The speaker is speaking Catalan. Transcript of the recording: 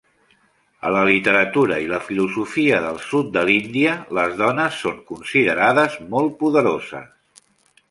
A la literatura i la filosofia del sud de l'Índia, les dones són considerades molt poderoses.